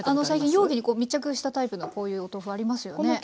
最近容器に密着したタイプのこういうお豆腐ありますよね？